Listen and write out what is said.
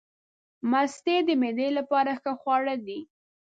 مستې د معدې لپاره ښه خواړه دي.